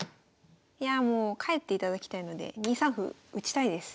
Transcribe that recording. いやもう帰っていただきたいので２三歩打ちたいです。